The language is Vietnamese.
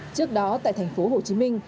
trước đó tại thành phố hồ chí minh